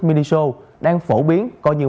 mini show đang phổ biến có như